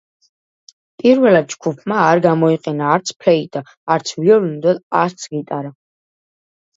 პირველად ჯგუფმა არ გამოიყენა არც ფლეიტა, არც ვიოლინო და არც გიტარა.